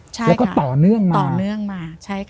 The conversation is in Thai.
ใช่ค่ะต่อเนื่องมาใช่ค่ะแล้วก็ต่อเนื่องมา